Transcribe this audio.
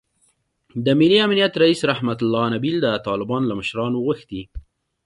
د ملي امنیت رییس رحمتالله نبیل د طالبانو له مشرانو غوښتي